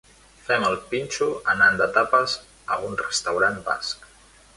Fem el pinxo anant de tapes a un restaurant basc.